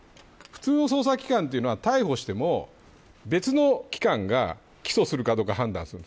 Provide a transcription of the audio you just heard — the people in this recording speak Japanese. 普通の捜査機関というのは逮捕しても別の機関が起訴するかどうか判断する。